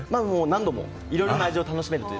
何度もいろいろな味を楽しめるので。